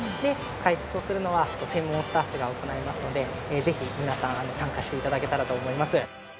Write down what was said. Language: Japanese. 解説をするのは専門スタッフが行いますのでぜひ皆さん参加して頂けたらと思います。